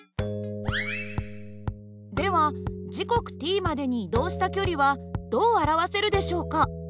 では時刻ｔまでに移動した距離はどう表せるでしょうか。